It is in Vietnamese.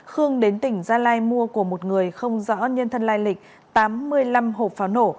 khương đến tỉnh gia lai mua của một người không rõ nhân thân lai lịch tám mươi năm hộp pháo nổ